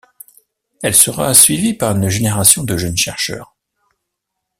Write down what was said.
Elle sera suivie par une génération de jeunes chercheurs.